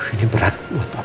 ini berat buat papa